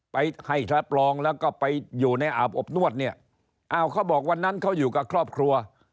ไปให้ทดลองแล้วก็ไปอยู่ในอาบอบนวดเนี่ยอ้าวเขาบอกวันนั้นเขาอยู่กับครอบครัว